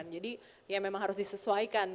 jadi ya memang harus disesuaikan